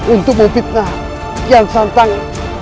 untuk memfitnah kian santang